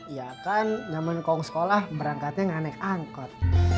ya kan zaman kong sekolah berangkatnya gak naik angkor